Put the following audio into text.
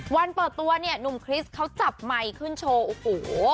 วันเปิดตัวหนุ่มคริสต์เขาจับไมค์ขึ้นโชว์